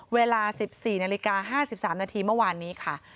เวลา๑๔นาฬิกา๕๓นาทีเมื่อวานนี้ค่ะ